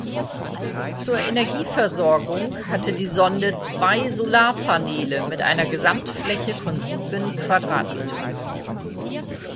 Zur Energieversorgung hatte die Sonde zwei Solarpaneele mit einer Gesamtfläche von sieben Quadratmetern.